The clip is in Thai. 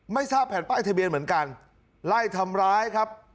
ทราบแผ่นป้ายทะเบียนเหมือนกันไล่ทำร้ายครับ